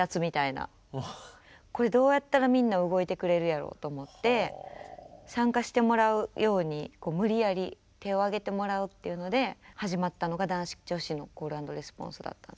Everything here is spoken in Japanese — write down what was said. これどうやったらみんな動いてくれるやろと思って参加してもらうように無理やり手を上げてもらうっていうので始まったのが男子・女子のコール＆レスポンスだったんです。